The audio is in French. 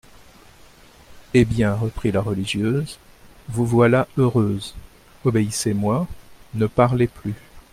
Eh bien, reprit la religieuse, vous voilà heureuse, obéissez-moi, ne parlez plus.